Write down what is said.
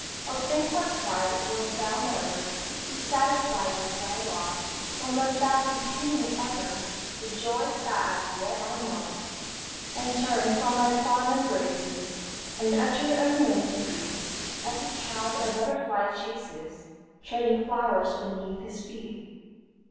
"O thankless heart, wilt thou never Be satisfied with thy lot, Or must thou be pining ever For joys that as yet are not? "And turn from my fond embraces An utter unknown to greet, As a child a butterfly chases Treading flowers beneath his feet?"